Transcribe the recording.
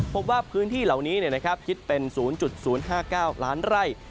พบว่าพื้นที่เหล่านี้คิดเป็น๐๐๕๙ล้านไร่